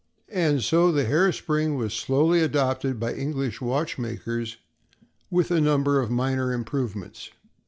And so the hair spring was slowly adopted by English watchmakers with a number of minor improvements.